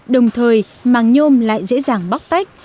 đồng thời màng nhôm lại dễ dàng bóc tách